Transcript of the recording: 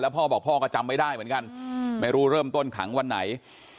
พ่อบอกพ่อก็จำไม่ได้เหมือนกันไม่รู้เริ่มต้นขังวันไหน